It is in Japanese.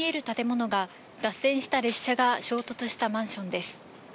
中継です、後ろに見える建物が脱線した列車が衝突したマンションです。